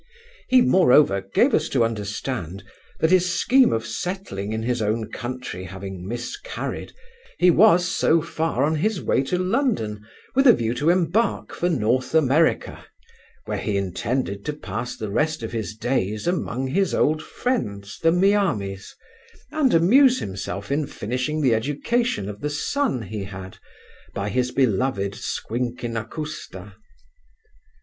He moreover gave us to understand, that his scheme of settling in his own country having miscarried, he was so far on his way to London, with a view to embark for North America, where he intended to pass the rest of his days among his old friends the Miamis, and amuse himself in finishing the education of the son he had by his beloved Squinkinacoosta.